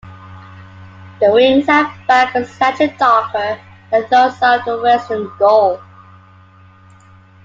The wings and back are slightly darker than those of the Western Gull.